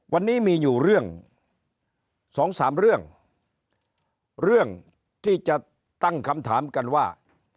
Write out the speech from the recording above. วันนี้มีอยู่เรื่องสองสามเรื่องเรื่องที่จะตั้งคำถามกันว่า